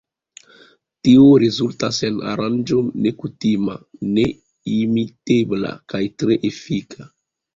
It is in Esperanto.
Tio rezultas en aranĝo nekutima, neimitebla kaj tre efika.